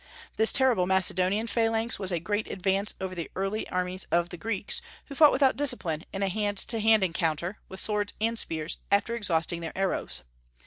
This terrible Macedonian phalanx was a great advance over the early armies of the Greeks, who fought without discipline in a hand to hand encounter, with swords and spears, after exhausting their arrows.